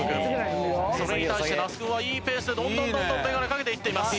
それに対して那須君はいいペースでどんどんどんどんメガネかけていっています。